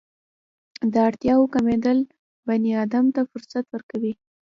د اړتیاوو کمېدل بني ادم ته فرصت ورکوي.